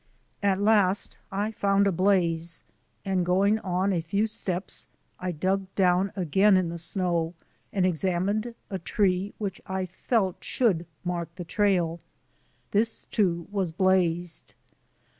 At last I found a blaze and going on a few steps I dug down again in the snow and examined a tree which I felt should mark the trail. This, too, was blazed.